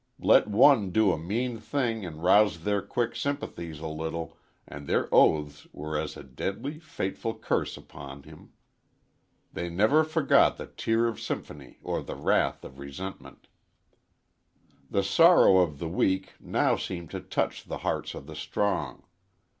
Let one do a mean thing and rouse their quick sympathies a little and their oaths were as a deadly, fateful curse upon him. They never forgot the tear of sympathy or the wrath of resentment. The sorrow of the weak now seemed to touch the hearts of the strong.